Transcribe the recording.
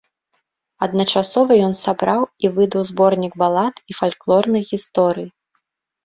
Адначасова ён сабраў і выдаў зборнік балад і фальклорных гісторый.